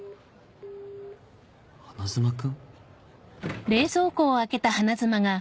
花妻君？